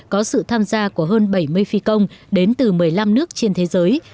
có sự tham gia của hơn bảy mươi phi công đến từ một mươi năm nước trên thế giới